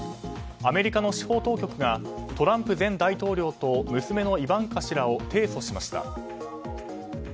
アメリカの司法当局がトランプ前大統領と、娘のイバンカ氏らを提訴しました。